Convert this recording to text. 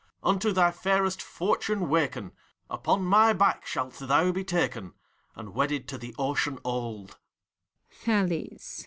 Unto thy fairest fortune waken : Upon my back shalt thou be taken, And wedded to the Ocean old.